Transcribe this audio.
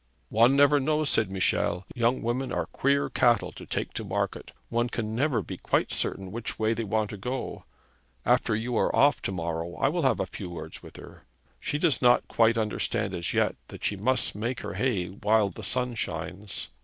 'One never knows,' said Michel. 'Young women are queer cattle to take to market. One can never be quite certain which way they want to go. After you are off to morrow, I will have a few words with her. She does not quite understand as yet that she must make her hay while the sun shines.